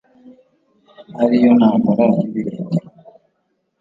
ari yo ntambara y'ibirindiro.